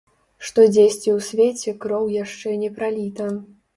Што дзесьці ў свеце кроў шчэ не праліта.